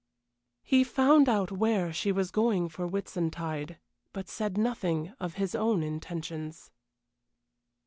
He found out where she was going for Whitsuntide, but said nothing of his own intentions.